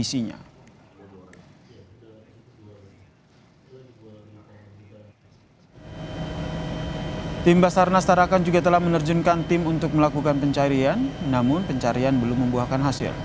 tim basarnas tarakan juga telah menerjunkan tim untuk melakukan pencarian namun pencarian belum membuahkan hasil